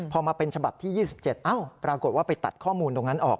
พอมาเป็นฉบับที่๒๗ปรากฏว่าไปตัดข้อมูลตรงนั้นออก